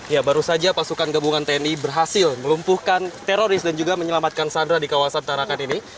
ya baru saja pasukan gabungan tni berhasil melumpuhkan teroris dan juga menyelamatkan sandra di kawasan tarakan ini